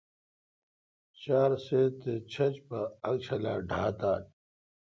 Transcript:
چار سیت تے°چھج پا اک چھلا ڈھا تال۔